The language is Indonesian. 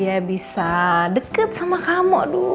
dia bisa deket sama kamu